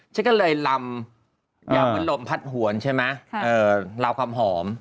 ฉันก็เลยลำยำว่าลมพัดหวนใช่ไหมลาวความหอม